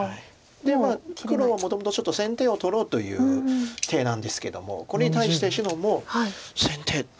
で黒はもともとちょっと先手を取ろうという手なんですけどもこれに対して白も先手。